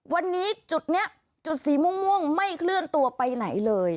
วันนี้จุดนี้จุดสีม่วงไม่เคลื่อนตัวไปไหนเลย